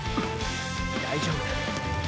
大丈夫だ。